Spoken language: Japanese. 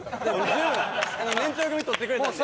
十分年長組とってくれたんで。